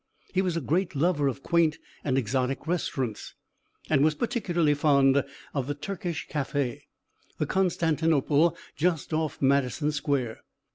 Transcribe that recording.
He was a great lover of quaint and exotic restaurants, and was particularly fond of the Turkish café, the Constantinople, just off Madison Square.